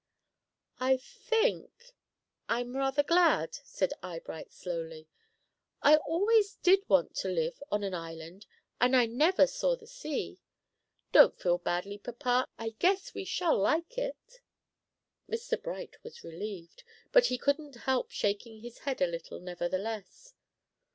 "I think I'm rather glad," said Eyebright slowly. "I always did want to live on an island and I never saw the sea. Don't feel badly, papa, I guess we shall like it." Mr. Bright was relieved; but he couldn't help shaking his head a little, nevertheless.